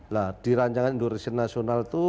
nah di rancangan induk riset nasional itu